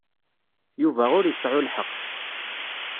Yuba ur iseɛɛu lḥeqq.